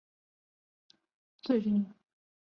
命令航路之中也以基隆神户线最为重要。